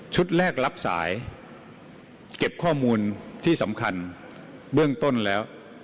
แรกรับสายเก็บข้อมูลที่สำคัญเบื้องต้นแล้ว